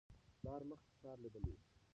پلار مخکې ښار لیدلی و.